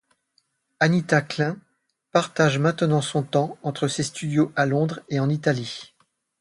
Anita Klein partage maintenant son temps entre ses studios à Londres et en Italie.